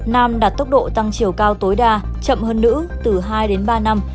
nam đạt tốc độ tăng chiều cao tối đa chậm hơn nữ từ hai đến ba năm